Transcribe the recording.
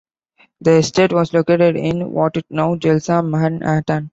The estate was located in what is now Chelsea, Manhattan.